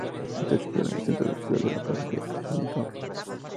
Está situado en el centro de la ciudad, en la plaza de Agincourt.